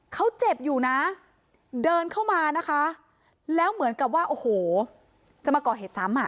เขาเจ็บอยู่นะเดินเข้ามานะคะแล้วเหมือนกับว่าโอ้โหจะมาก่อเหตุซ้ำอ่ะ